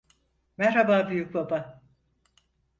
Merhaba büyükbaba.